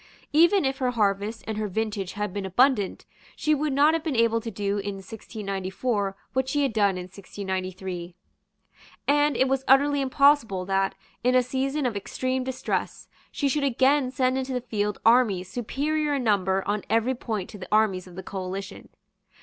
Even if her harvest and her vintage had been abundant, she would not have been able to do in 1694 what she had done in 1693; and it was utterly impossible that, in a season of extreme distress, she should again send into the field armies superior in number on every point to the armies of the coalition.